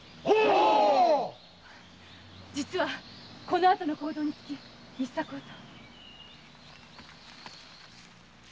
実はこの後の行動につき密策をと。